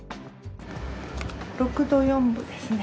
６度４分ですね。